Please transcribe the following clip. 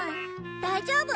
大丈夫。